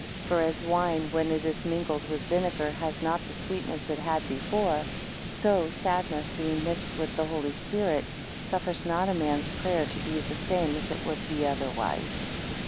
For as wine when it is mingled with vinegar, has not the sweetness it had before; so sadness being mixed with the Holy Spirit, suffers not a man's prayer to be the same as it would be otherwise.